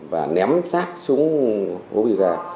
và ném xác xuống gỗ bị gà